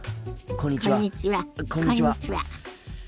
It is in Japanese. こんにちは。